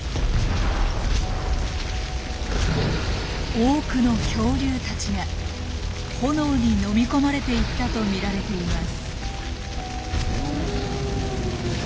多くの恐竜たちが炎に飲み込まれていったとみられています。